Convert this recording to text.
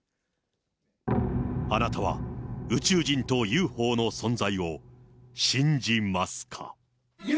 あなたは宇宙人とＵＦＯの存在を信じますか？